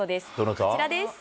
こちらです。